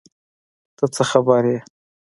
ته څه خبر یې ؟